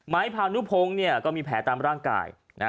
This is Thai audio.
พานุพงศ์เนี่ยก็มีแผลตามร่างกายนะฮะ